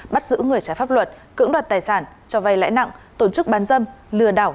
bắt giữ người trái pháp luật cưỡng đoạt tài sản cho vay lãi nặng tổ chức bán dâm lừa đảo